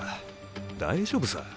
大丈夫さ。